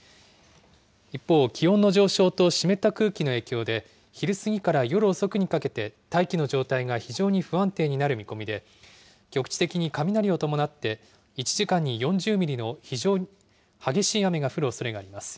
一方、気温の上昇と湿った空気の影響で、昼過ぎから夜遅くにかけて、大気の状態が非常に不安定になる見込みで、局地的に雷を伴って、１時間に４０ミリの激しい雨が降るおそれがあります。